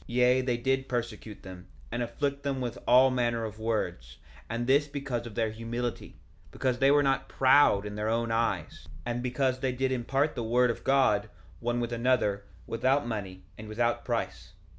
1:20 Yea, they did persecute them, and afflict them with all manner of words, and this because of their humility; because they were not proud in their own eyes, and because they did impart the word of God, one with another, without money and without price.